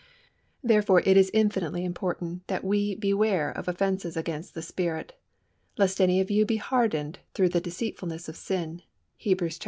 Therefore, it is infinitely important that we beware of offences against the Spirit, "lest any of you be hardened through the deceitfulness of sin" (Hebrews iii.